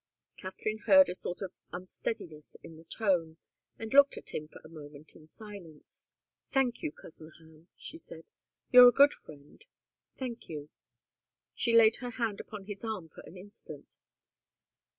Katharine heard a sort of unsteadiness in the tone, and looked at him for a moment in silence. "Thank you, cousin Ham," she said. "You're a good friend. Thank you." She laid her hand upon his arm for an instant.